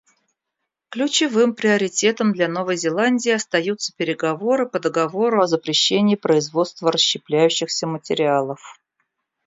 Ключевым приоритетом для Новой Зеландии остаются переговоры по договору о запрещении производства расщепляющихся материалов.